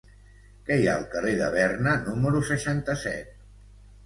Què hi ha al carrer de Berna número seixanta-set?